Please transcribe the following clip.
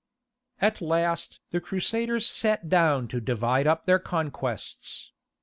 At last the Crusaders sat down to divide up their conquests.